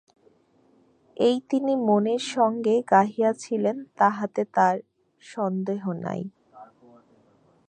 এই তিনি মনের সঙ্গে গাহিয়াছিলেন তাহাতে আর সন্দেহ নাই।